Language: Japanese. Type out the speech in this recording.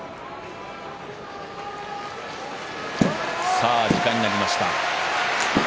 さあ時間になりました。